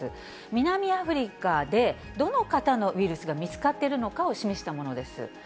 南アフリカでどの型のウイルスが見つかっているのかを示したものです。